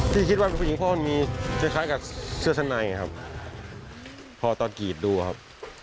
คิดว่าผู้หญิงพ่อมีคล้ายกับเสื้อชั้นในครับพอตอนกรีดดูครับ